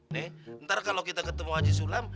nih ntar kalau kita ketemu aji sulam